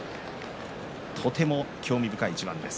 とても興味深い一番です。